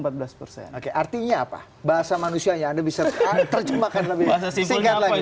artinya apa bahasa manusia yang anda bisa terjemahkan lebih singkat lagi